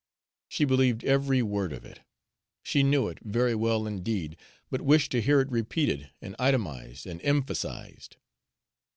She believed every word of it; she knew it very well indeed, but wished to hear it repeated and itemized and emphasized.